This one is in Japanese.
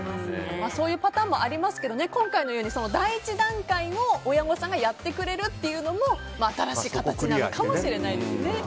そういうパターンもありますけど第一段階を親御さんがやってくれるというのも新しい形なのかもしれないですね。